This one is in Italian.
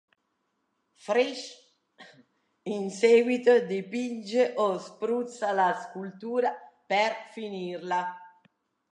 Fritsch in seguito dipinge o spruzza la scultura per finirla.